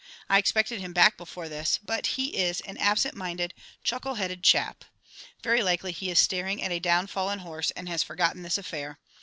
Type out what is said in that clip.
I expected him back before this. But he is an absent minded, chuckle headed chap. Very likely he is staring at a downfallen horse and has forgotten this affair.